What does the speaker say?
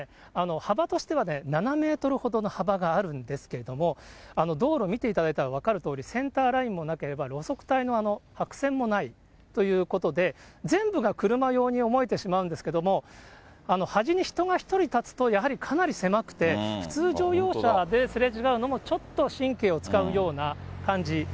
幅としては７メートルほどの幅があるんですけれども、道路見ていただいたら分かるとおり、センターラインもなければ、路側帯の白線もないということで、全部が車用に思えてしまうんですけれども、端に人が１人立つと、やはりかなり狭くて、普通乗用車ですれ違うのも、ちょっと神経を使うような感じ。